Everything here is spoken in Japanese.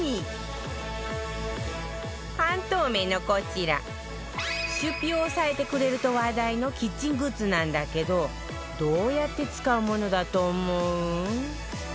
半透明のこちら出費を抑えてくれると話題のキッチングッズなんだけどどうやって使うものだと思う？